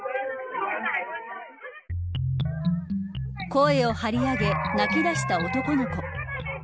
声を張り上げ泣きだした男の子。